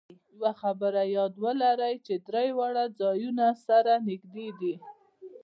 یوه خبره یاد ولرئ چې درې واړه ځایونه سره نږدې دي.